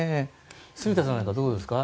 住田さんなんかはどうですか？